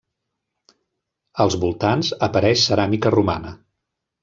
Als voltants apareix ceràmica romana.